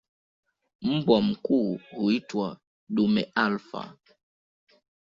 Mbwa mkuu huitwa "dume alfa".